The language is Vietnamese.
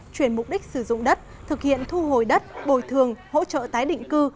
chuyển mục đích sử dụng đất thực hiện thu hồi đất bồi thường hỗ trợ tái định cư